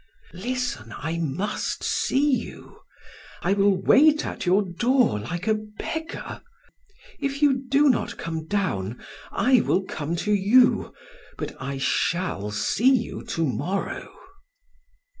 "Listen: I must see you! I will wait at your door like a beggar. If you do not come down, I will come to you, but I shall see you to morrow."